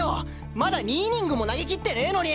まだ２イニングも投げきってねえのに。